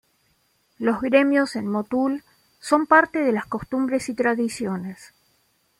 Los gremios en Motul son parte de las costumbres y tradiciones.